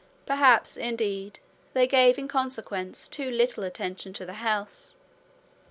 Perhaps indeed they gave in consequence too little attention to the house.